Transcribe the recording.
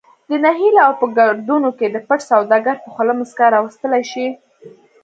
د نهیلي او په گردونو کی د پټ سوداگر په خوله مسکا راوستلې شي